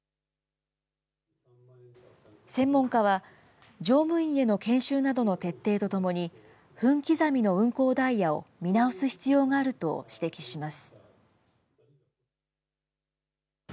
専門家は、乗務員への研修などの徹底とともに、分刻みの運行ダイヤを見直す必要があると指摘します。